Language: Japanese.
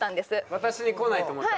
私に来ないと思ったんだ。